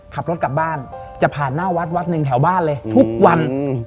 ขับรถกลับบ้านจะผ่านหน้าวัดวัดหนึ่งแถวบ้านเลยทุกวัน